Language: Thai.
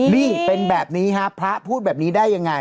นี่เป็นแบบนี้ครับพระพูดแบบนี้ได้ยังไง